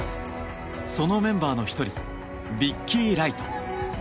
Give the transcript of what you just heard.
そのメンバーの１人ビッキー・ライト。